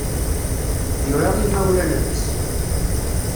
Yura i yimawlan-nnes.